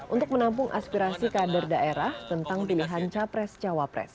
untuk menampung aspirasi kader daerah tentang pilihan capres cawapres